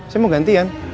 saya mau gantian